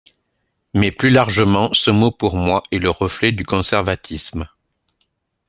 Mais plus largement, ce mot pour moi est le reflet du conservatisme